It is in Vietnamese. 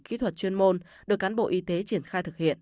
kỹ thuật chuyên môn được cán bộ y tế triển khai thực hiện